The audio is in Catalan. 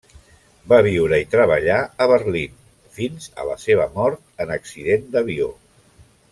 Va viure i treballar a Berlín fins a la seva mort en accident d'avió.